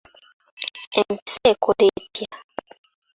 Empiso ekola etya?